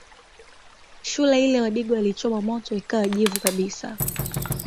Shule ile wadigo waliichoma moto ikawa jivu kabisa